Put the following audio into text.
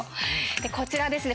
こちらですね